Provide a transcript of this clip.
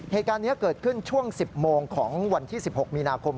เหตุการณ์นี้เกิดขึ้นช่วง๑๐โมงของวันที่๑๖มีนาคม